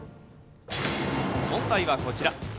問題はこちら。